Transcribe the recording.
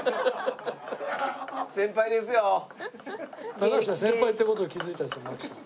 高橋が先輩って事に気付いたんですよ槙さん。